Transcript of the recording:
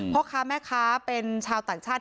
พ่อค้าแม่ค้าเป็นชาวต่างชาติ